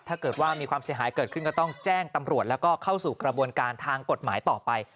ถ้าเกิดว่ามีความเสียหายเกิดขึ้นก็ต้องแจ้งตำรวจแล้วก็เข้าสู่กระบวนการทางกฎหมายต่อไป